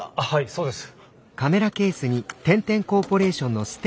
そうです。